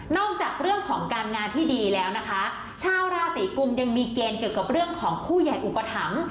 จากเรื่องของการงานที่ดีแล้วนะคะชาวราศีกุมยังมีเกณฑ์เกี่ยวกับเรื่องของคู่ใหญ่อุปถัมภ์